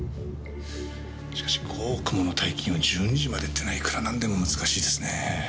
しかし５億もの大金を１２時までってのはいくらなんでも難しいですね。